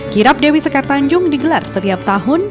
kirab dewi sekar tanjung digelar setiap tahun